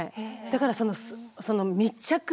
だからその密着。